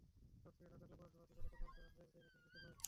সক্রিয় না থাকলে প্রশাসক অধিকার অপসারণ করা হয় এটা নতুন কিছু নয়।